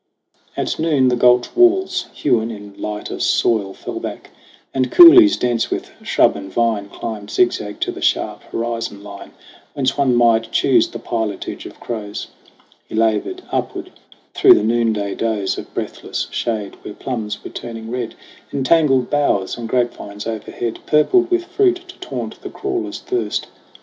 At noon the gulch walls, hewn in lighter soil, Fell back ; and coulees dense with shrub and vine Climbed zigzag to the sharp horizon line, Whence one might choose the pilotage of crows. He labored upward through the noonday doze. Of breathless shade, where plums were turning red In tangled bowers, and grapevines overhead Purpled with fruit to taunt the crawler's thirst.